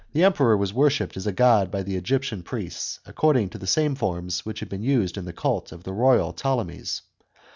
Emperor was worshipped as a god by the Egyptian priests, accord ing to the same forms which had been used in the cult of the royal Ptolemies.